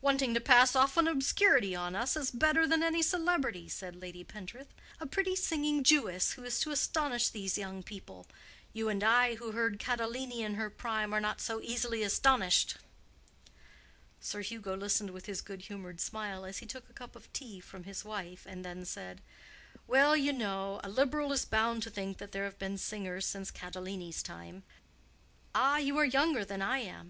"Wanting to pass off an obscurity on us as better than any celebrity," said Lady Pentreath—"a pretty singing Jewess who is to astonish these young people. You and I, who heard Catalani in her prime, are not so easily astonished." Sir Hugo listened with his good humored smile as he took a cup of tea from his wife, and then said, "Well, you know, a Liberal is bound to think that there have been singers since Catalani's time." "Ah, you are younger than I am.